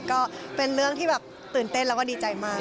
ก็เป็นเรื่องที่แบบตื่นเต้นแล้วก็ดีใจมาก